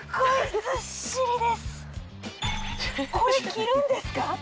これ着るんですか？